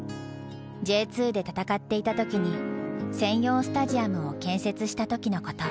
Ｊ２で戦っていた時に専用スタジアムを建設した時のこと。